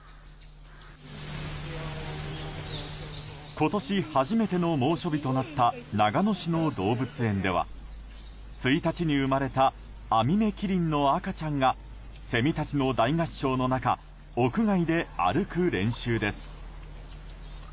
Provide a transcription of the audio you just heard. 今年初めての猛暑日となった長野市の動物園では１日に生まれたアミメキリンの赤ちゃんがセミたちの大合唱の中屋外で歩く練習です。